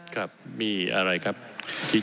ครับมีอะไรครับพี่แจง